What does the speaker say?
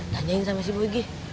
tanyain sama si gue gitu